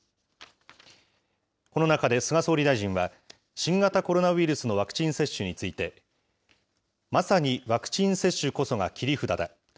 この中で菅総理大臣は、新型コロナウイルスのワクチン接種について、まさにワクチン接種こそが切り札だ。